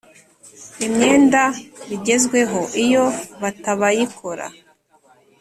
imyenda bigezweho Iyo batabayikora